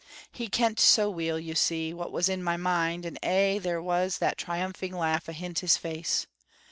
He kent so weel, you see, what was in my mind, and aye there was that triumphing laugh ahint his face.